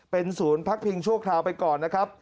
เป็นศูนย์พักพิงชั่วคราวไปก่อนนะครับ